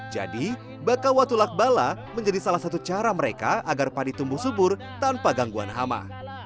jadi baka watu lakbala menjadi salah satu cara mereka agar padi tumbuh subur tanpa gangguan hama